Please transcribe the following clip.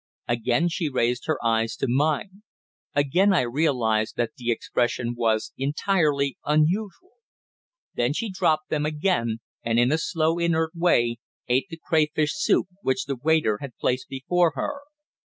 Again she raised her eyes to mine. Again I realized that the expression was entirely unusual. Then she dropped them again, and in a slow, inert way ate the crayfish soup which the waiter had placed before her.